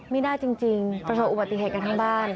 ไม่น่าจริงประโยชน์อุบัติเหตุกันทั้งบ้าน